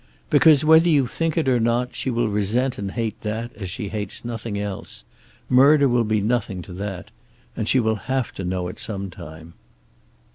"Because, whether you think it or not, she will resent and hate that as she hates nothing else. Murder will be nothing, to that. And she will have to know it some time."